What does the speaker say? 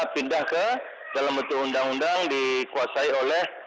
pindah ke dalam bentuk undang undang dikuasai oleh